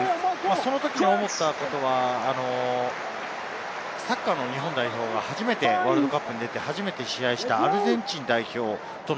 そのときに思ったことは、サッカーの日本代表が初めてワールドカップに出て初めて試合をし９８年です。